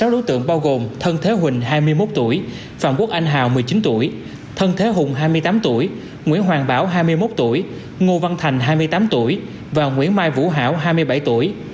sáu đối tượng bao gồm thân thế huỳnh hai mươi một tuổi phạm quốc anh hào một mươi chín tuổi thân thế hùng hai mươi tám tuổi nguyễn hoàng bảo hai mươi một tuổi ngô văn thành hai mươi tám tuổi và nguyễn mai vũ hảo hai mươi bảy tuổi